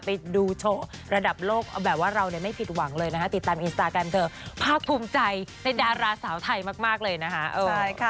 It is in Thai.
ไปดูโชว์ระดับโลกเอาแบบว่าเราไม่ผิดหวังเลยนะคะติดตามอินสตาแกรมเธอภาคภูมิใจในดาราสาวไทยมากเลยนะคะ